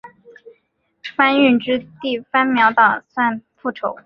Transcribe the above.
番歆之弟番苗打算复仇。